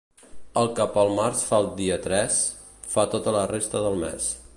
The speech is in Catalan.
El que pel març fa el dia tres, fa tota la resta del mes.